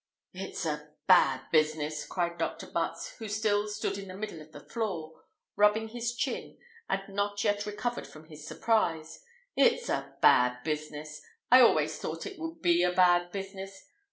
"It's a bad business!" cried Dr. Butts, who still stood in the middle of the floor, rubbing his chin, and not yet recovered from his surprise; "it's a bad business! I always thought it would be a bad business.